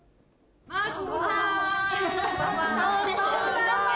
マツコさん！